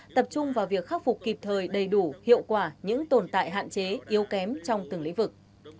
tập trung vào việc khắc phục kịp thời đầy đủ hiệu quả những tồn tại hạn chế yếu kém trong từng lĩnh vực